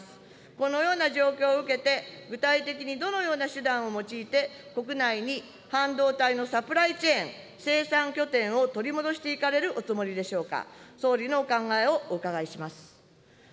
このような状況を受けて、具体的にどのような手段を用いて、国内に半導体のサプライチェーン、生産拠点を取り戻していかれるおつもりでしょうか。